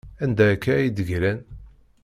Anda akka ay d-ggran?